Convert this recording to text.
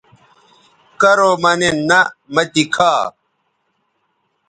کرو مہ نِن نہ مہ تی کھا